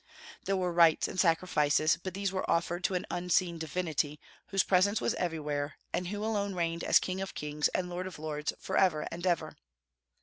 There were rites and sacrifices, but these were offered to an unseen divinity, whose presence was everywhere, and who alone reigned as King of Kings and Lord of Lords, forever and forever.